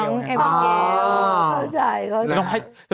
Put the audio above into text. น้องเอบริเกลเข้าใจเข้าใจ